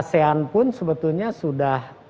asean pun sebetulnya sudah